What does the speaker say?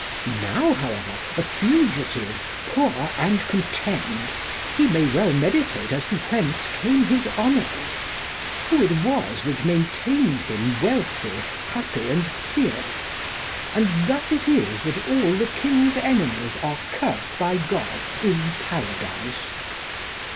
Now, however, a fugitive, poor and con temned, he may well meditate as to whence came his honours, who it was that maintained him wealthy, happy and feared ; and thus it is that all the King's enemies are cursed by God in Para dise."